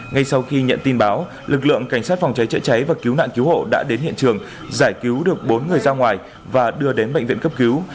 ngay sau khi nhận tin báo lực lượng cảnh sát phòng cháy chữa cháy và cứu nạn cứu hộ đã đến hiện trường giải cứu được bốn người ra ngoài và đưa đến bệnh viện cấp cứu